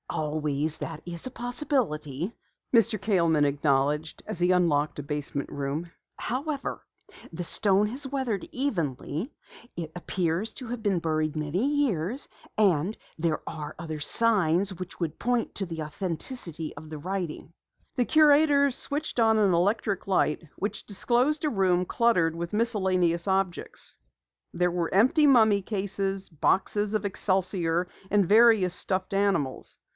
"Always that is a possibility," Mr. Kaleman acknowledged as he unlocked the door of a basement room. "However, the stone has weathered evenly, it appears to have been buried many years, and there are other signs which point to the authenticity of the writing." The curator switched on an electric light which disclosed a room cluttered with miscellaneous objects. There were empty mummy cases, boxes of excelsior, and various stuffed animals.